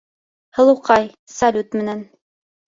Һылыуҡай салют менән: